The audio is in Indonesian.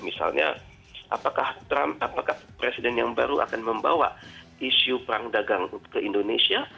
misalnya apakah trump apakah presiden yang baru akan membawa isu perang dagang ke indonesia